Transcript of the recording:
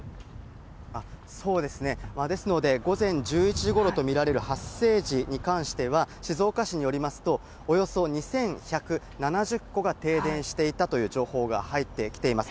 そうですね、ですので午前１１時ごろと見られる発生時に関しては、静岡市によりますと、およそ２１７０戸が停電していたという情報が入ってきています。